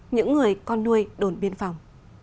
những người con nuôi đồn biên phòng